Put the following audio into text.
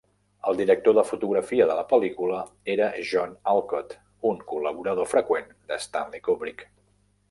El director de fotografia de la pel·lícula era John Alcott, un col·laborador freqüent de Stanley Kubrick.